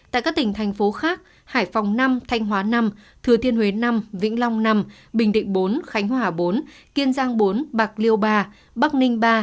tại các tỉnh thành phố khác hải phòng năm thanh hóa năm thừa thiên huế năm vĩnh long năm bình định bốn khánh hòa bốn kiên giang bốn bạc liêu ba bắc ninh ba